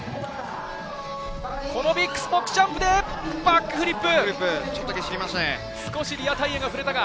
このビッグボックスジャンプでバックフリップ。